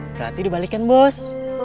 berarti dibalikin bos